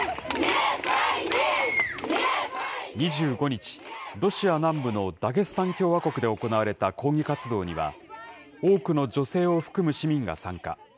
２５日、ロシア南部のダゲスタン共和国で行われた抗議活動には、多くの女性を含む市民が参加。